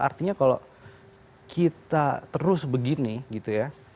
artinya kalau kita terus begini gitu ya